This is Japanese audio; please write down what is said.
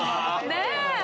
ねえ。